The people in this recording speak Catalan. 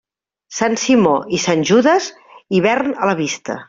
Sant Simó i Sant Judes, hivern a la vista.